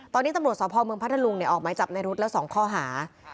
ตอนนี้ตำรวจสภเมืองพัทธรุงเนี่ยออกไม้จับในรุ๊ดแล้ว๒ข้อหา